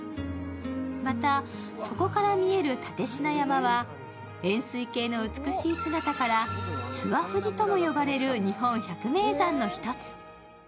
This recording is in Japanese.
また、そこから見える蓼科山は円すい形の美しい姿から諏訪富士とも呼ばれる日本百名山の一つ。